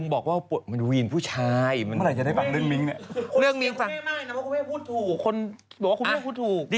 บอกว่าคุณเรื่องพูดถูก